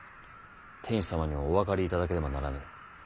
天子様にもお分かりいただかねばならぬ。